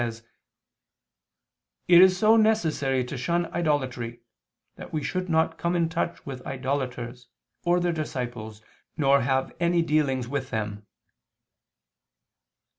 says: "It is so necessary to shun idolatry, that we should not come in touch with idolaters or their disciples, nor have any dealings with them."